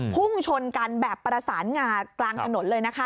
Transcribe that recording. พุ่งชนกันแบบประสานงากลางถนนเลยนะคะ